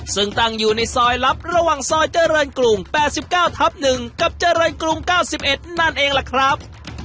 ซึ่งตั้งอยู่ในซอยลับระหว่างซอยเจริญกรุงแปดสิบเก้าทับหนึ่งกับเจริญกรุงเก้าสิบเอ็ดนั่นเองแหละครับ